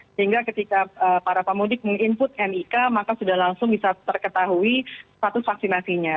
sehingga ketika para pemudik meng input nik maka sudah langsung bisa terketahui status vaksinasinya